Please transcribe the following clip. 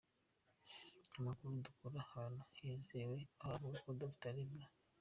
Amakuru dukura ahantu hizewe aravuga ko Dr. Rev.